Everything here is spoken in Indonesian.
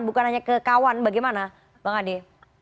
bukan hanya ke kawan bagaimana bang ade